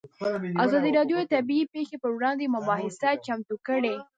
ازادي راډیو د طبیعي پېښې پر وړاندې یوه مباحثه چمتو کړې.